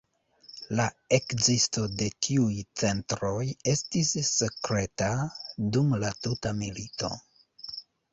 La ekzisto de tiuj centroj estis sekreta dum la tuta milito.